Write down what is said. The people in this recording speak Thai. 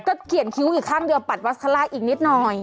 ก็เขียนคิ้วอีกข้างเดียวปัดวัสคาร่าอีกนิดหน่อย